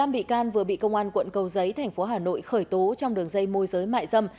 năm bị can vừa bị công an quận cầu giấy thành phố hà nội khởi tố trong đường dây môi giới mại dâm